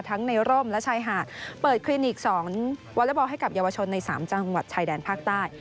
ในร่มและชายหาดเปิดคลินิก๒วอเล็กบอลให้กับเยาวชนใน๓จังหวัดชายแดนภาคใต้